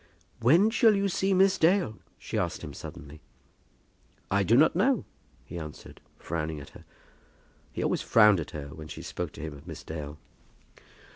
"When shall you see Miss Dale?" she asked him suddenly. "I do not know," he answered, frowning at her. He always frowned at her when she spoke to him of Miss Dale.